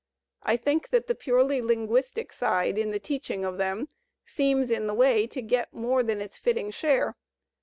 I think that the purely linguistic side in the teaching of them seems in the way to get more than its fitting share.